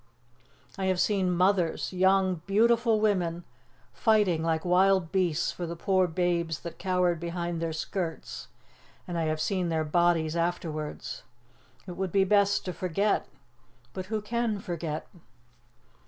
I have seen mothers young, beautiful women fighting like wild beasts for the poor babes that cowered behind their skirts, and I have seen their bodies afterwards. It would be best to forget but who can forget?"